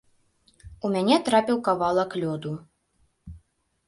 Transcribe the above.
У мяне трапіў кавалак лёду.